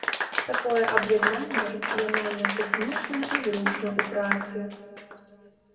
Такое аб'яднанне рацыянальна тэхнічна і зручна ў працы.